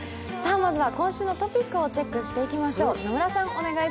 まずは今週のトピックをチェックしていきましょう。